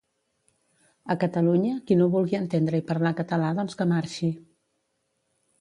A Catalunya qui no vulgi entendre i parlar català doncs que marxi